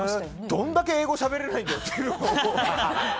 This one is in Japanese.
どんだけ英語しゃべれないんだよっていう。